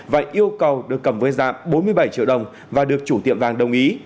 và yêu cầu được cầm với giảm bốn mươi bảy triệu đồng và được chủ tiệm vàng đồng ý